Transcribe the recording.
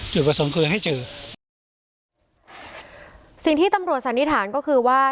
จุดประสงค์คือให้เจอสิ่งที่ตำรวจสันนิษฐานก็คือว่า